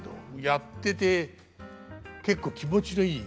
やってて結構気持ちのいい。